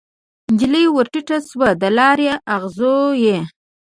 نجلۍ ورټیټه شوه د لار اغزو یې